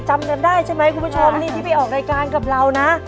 จำกันได้ใช่ไหมคุณผู้ชมนี่ที่ไปออกรายการกับเรานะ